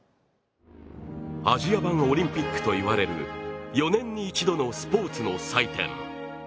アジア版オリンピックといわれる４年に一度のスポーツの祭典。